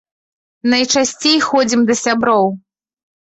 Найчасцей ходзім да сяброў.